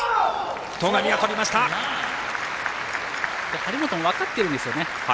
張本も分かってるんですよね。